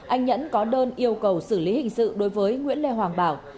anh nhẫn có đơn yêu cầu xử lý hình sự đối với nguyễn lê hoàng bảo